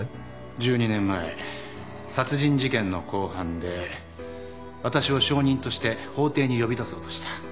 １２年前殺人事件の公判で私を証人として法廷に呼び出そうとした。